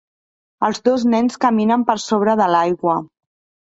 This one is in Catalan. Els dos nens caminen per sobre de l'aigua.